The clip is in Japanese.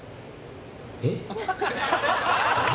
えっ？